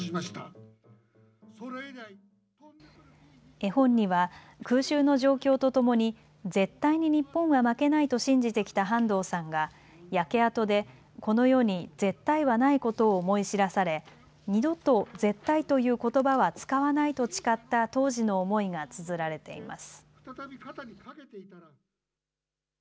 絵本には空襲の状況とともに絶対に日本は負けないと信じてきた半藤さんが焼け跡でこの世に絶対はないことを思い知らされ二度と絶対ということばは使わないと誓った当時の思いがつづられています。